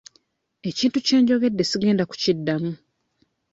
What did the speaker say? Ekintu kye njogedde sigenda kukiddamu.